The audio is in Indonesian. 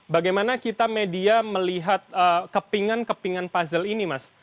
bagaimana kita media melihat kepingan kepingan puzzle ini mas